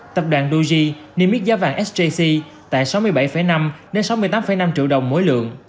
tập đoàn doji niêm mít giá vàng sjc tại sáu mươi bảy năm đến sáu mươi tám năm triệu đồng mỗi lượng